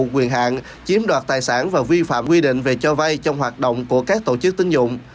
quyền hạn chiếm đoạt tài sản và vi phạm quy định về cho vay trong hoạt động của các tổ chức tính dụng